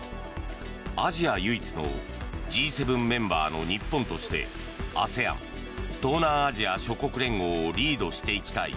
アジア唯一のＧ７メンバーの日本としてＡＳＥＡＮ・東南アジア諸国連合をリードしていきたい